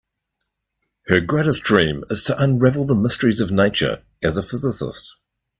Her greatest dream is to unravel the mysteries of nature as a physicist.